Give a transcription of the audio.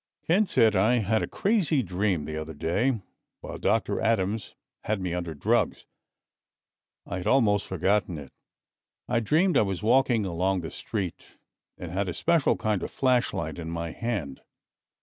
Ken said, "I had a crazy dream the other day while Dr. Adams had me under drugs. I had almost forgotten it. I dreamed I was walking along the street and had a special kind of flashlight in my hand.